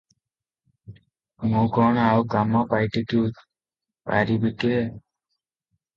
ମୁଁ କଣ ଆଉ କାମ ପାଇଟିକି ପାରିବିକିରେ?